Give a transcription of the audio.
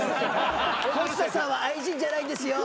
保科さんは愛人じゃないんですよ。